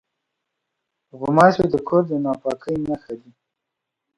غوماشې د کور د ناپاکۍ نښه دي.